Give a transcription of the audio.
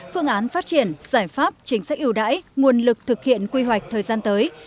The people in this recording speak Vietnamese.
phương án phát triển giải pháp chính sách ưu đãi nguồn lực thực hiện quy hoạch thời gian tới